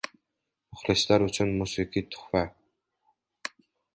Muxlislar uchun musiqiy tuhfa